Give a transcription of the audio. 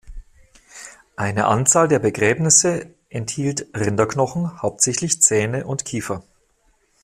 Eine Anzahl der Begräbnisse enthielt Rinderknochen, hauptsächlich Zähne und Kiefer.